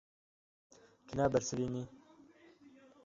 Tu nabersivînî.